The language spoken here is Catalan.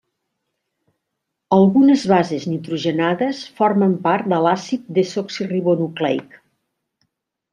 Algunes bases nitrogenades formen part de l'àcid desoxiribonucleic.